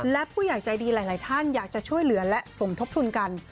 และผู้ใหญ่ใจดีหลายท่านอยากจะช่วยเหลือและสมทบทุนกัน